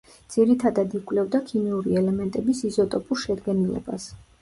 ძირითადად იკვლევდა ქიმიური ელემენტების იზოტოპურ შედგენილობას.